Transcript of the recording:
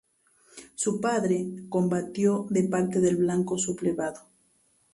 Su padre combatió de parte del bando sublevado.